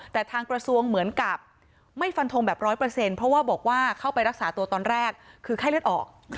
แต่ทางกระทรวงเหมือนกับไม่ฟันทงแบบ๑๐๐เพราะว่าบอกว่าเข้าไปรักษาตัวตอนแรกคือไข้เลือดออก